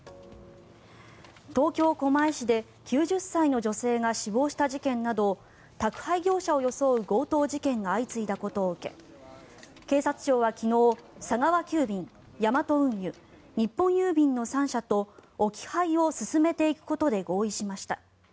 東京・狛江市で９０歳の女性が死亡した事件など宅配業者を装う強盗事件が相次いだことを受け警察庁は昨日、佐川急便ヤマト運輸、日本郵便の３社と置き配を進めていくことで合意しました。